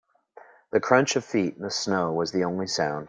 The crunch of feet in the snow was the only sound.